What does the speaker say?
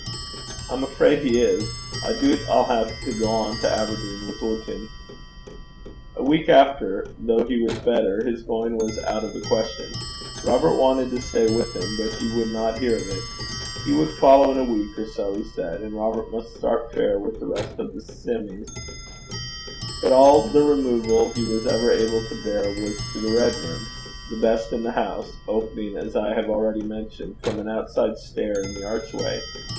'I'm afraid he is. I doobt I'll hae to gang to Aberdeen withoot him.' A week after, though he was better, his going was out of the question. Robert wanted to stay with him, but he would not hear of it. He would follow in a week or so, he said, and Robert must start fair with the rest of the semies. But all the removal he was ever able to bear was to the 'red room,' the best in the house, opening, as I have already mentioned, from an outside stair in the archway.